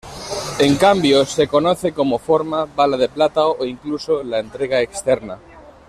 En cambio, se conoce como "forma", "bala de plata", o incluso "la entrega externa".